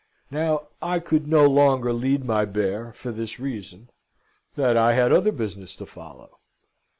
Now, I could no longer lead my bear, for this reason, that I had other business to follow.